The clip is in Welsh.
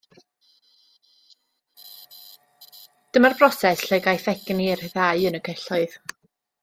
Dyma'r broses lle caiff egni ei ryddhau yn y celloedd